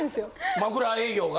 枕営業が？